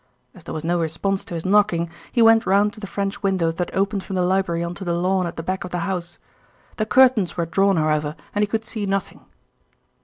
As there was no response to his knocking, he went round to the French windows that open from the library on to the lawn at the back of the house. The curtains were drawn, however, and he could see nothing."